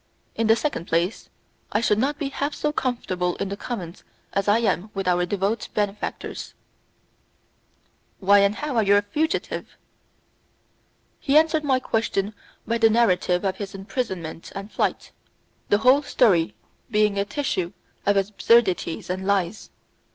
In the second place, I should not be half so comfortable in the convents as I am with our devout benefactors." "Why and how are you a fugitive?" He answered my question by the narrative of his imprisonment and flight, the whole story being a tissue of absurdities and lies.